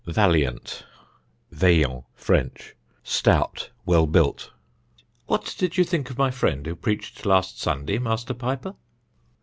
Valiant (Vaillant, French. Stout; well built): "What did you think of my friend who preached last Sunday, Master Piper?"